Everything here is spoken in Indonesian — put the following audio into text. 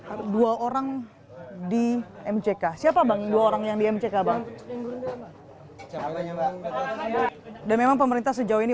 ada dua orang di mck siapa bang dua orang yang di mck bang dan memang pemerintah sejauh ini